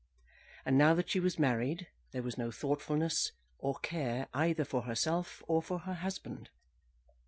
And now that she was married there was no thoughtfulness, or care either for herself or for her husband.